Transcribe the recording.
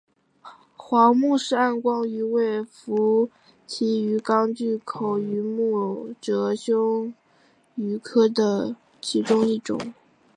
皇穆氏暗光鱼为辐鳍鱼纲巨口鱼目褶胸鱼科的其中一种。